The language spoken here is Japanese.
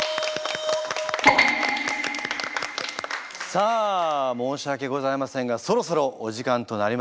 さあ申し訳ございませんがそろそろお時間となりました。